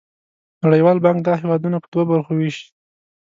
نړیوال بانک دا هېوادونه په دوه برخو ویشي.